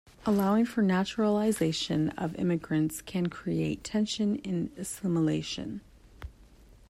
Allowing for naturalization of immigrants can create tension in assimilation.